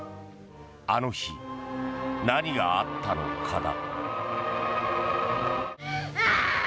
あの日、何があったのかだ。